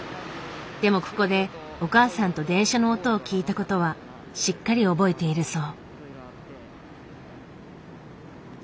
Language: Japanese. でもここでお母さんと電車の音を聞いたことはしっかり覚えているそう。